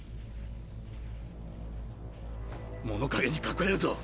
物陰に隠れるぞ！